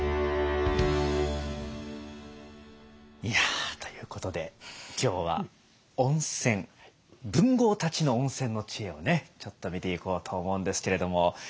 いやということで今日は温泉文豪たちの温泉の知恵をねちょっと見ていこうと思うんですけれども。